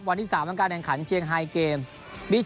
วันที่สามเป็นภาษาครับ